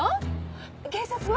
警察は？